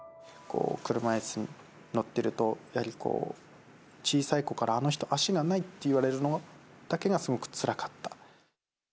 車いすに乗っていると、やはりこう、小さい子からあの人、足がないって言われるのだけがすごくつらかった。